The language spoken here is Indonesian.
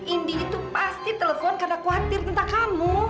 indi itu pasti telepon karena khawatir tentang kamu